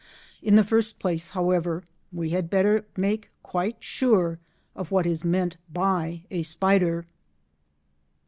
In the first place, however, we had better make quite sure of what is meant by a spider.